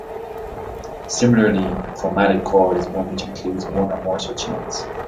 Similarly, a chromatic chord is one which includes one or more such notes.